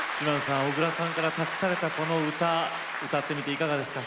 小椋さんから託されたこの歌歌ってみていかがですか？